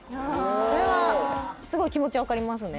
それはすごい気持ちは分かりますね